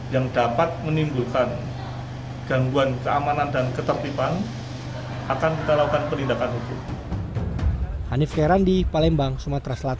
yang dapat menimbulkan gangguan keamanan dan ketertiban akan kita lakukan penindakan hukum